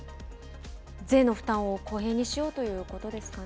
税の負担を公平にしようということですかね。